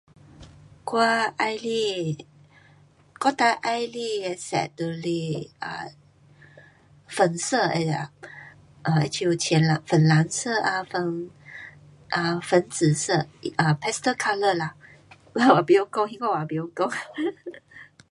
我喜欢，我最喜欢的色就是啊，粉色的呀，呃好像浅蓝，粉蓝色啊，粉紫色，啊，pastel colour 啦,我也甭晓讲，兴华话甭晓讲。